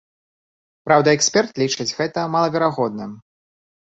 Праўда, эксперт лічыць гэта малаверагодным.